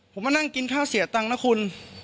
ผมมานั่งกินข้าวเสียตังค์นะคุณ